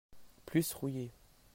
Plus rouillé.